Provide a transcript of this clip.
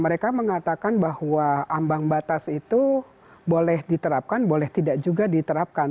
mereka mengatakan bahwa ambang batas itu boleh diterapkan boleh tidak juga diterapkan